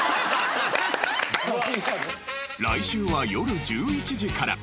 来週は夜１１時から。